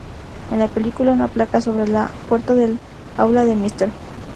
En la película, una placa sobre la puerta del aula de Mr.